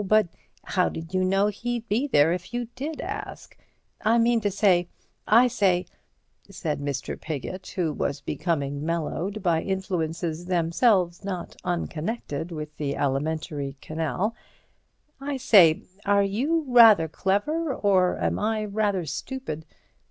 But how did you know he'd be there if you did ask? I mean to say—I say," said Mr. Piggott, who was becoming mellowed by influences themselves not unconnected with the alimentary canal—"I say, are you rather clever, or am I rather stupid?"